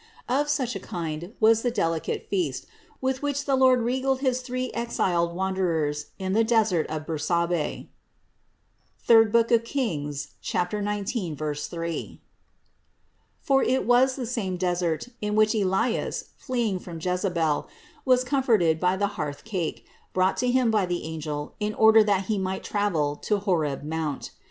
Of such a kind was the delicate feast, with which the Lord regaled his three exiled Wanderers in the desert of Bersabe (III Kings 19, 3), for it was the same desert in which Elias, fleeing from Jezabel, was comforted by the hearth cake, brought to him by the angel in order that he might travel to Horeb mount.